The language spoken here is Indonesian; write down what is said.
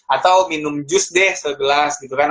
atau minum jus deh segelas gitu kan